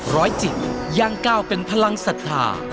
จิตย่างก้าวเป็นพลังศรัทธา